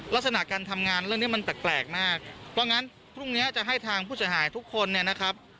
ลักษณะการทำงานเรื่องนี้มันแปลกมากเพราะงั้นพรุ่งนี้จะให้ทางผู้เสียหายทุกคนเนี่ยนะครับ